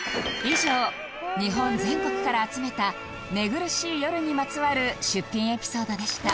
以上日本全国から集めた寝苦しい夜にまつわる出品エピソードでした